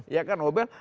ya kan nobel